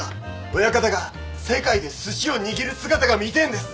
親方が世界ですしを握る姿が見てえんです！